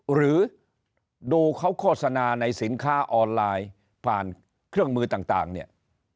หรือดูเขาโฆษณาในสินค้าออนไลน์ผ่านเครื่องมือต่างเนี่ย